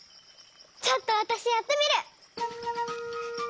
ちょっとわたしやってみる！